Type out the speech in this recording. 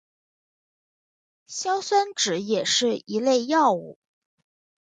硝酸酯也是一类药物。